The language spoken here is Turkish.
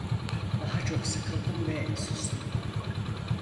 Daha çok sıkıldım ve sustum.